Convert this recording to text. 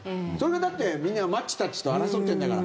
だって、みんなマッチたちと争ってるんだから。